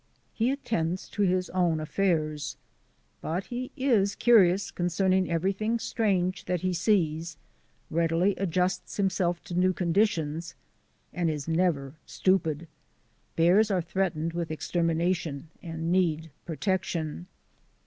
He attends to his own affairs. But he is curious concerning everything strange that he sees, readily adjusts himself to new conditions, and is never stupid. Bears are threatened with ex termination and need protection.